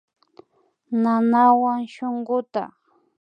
Nanawan shunkuta